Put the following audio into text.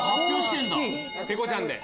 ペコちゃんで。